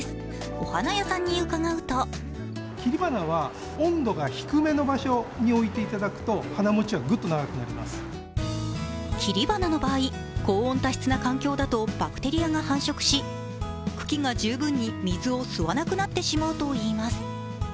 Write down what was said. お花屋さんに伺うと切り花の場合、高温多湿な環境だとバクテリアが繁殖し茎が十分に水を吸わなくなってしまうといいます。